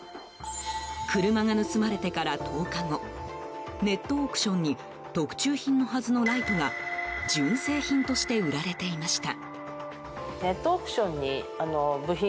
車が盗まれてから１０日後ネットオークションに特注品のはずのライトが純正品として売られていました。